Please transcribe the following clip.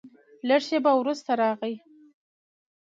لږ شېبه وروسته راغی.